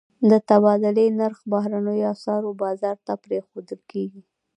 د تبادلې نرخ بهرنیو اسعارو بازار ته پرېښودل کېږي.